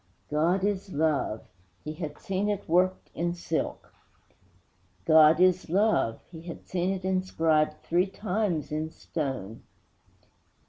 'God is love!' he had seen it worked in silk. 'God is love' he had seen it inscribed three times in stone.